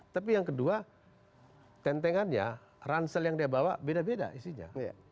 tapi yang kedua tentengannya ransel yang dia bawa beda beda isinya